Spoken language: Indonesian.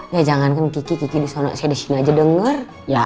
ya jangankan kiki kiki disana saya di sini aja denger